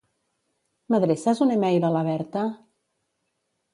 M'adreces un e-mail a la Berta?